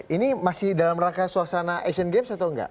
ini masih dalam rangka suasana asian games atau enggak